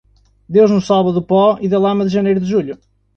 Deus nos salva do pó e da lama de janeiro de julho.